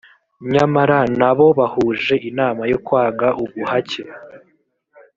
nyamara na bo bahuje inama yo kwanga ubuhake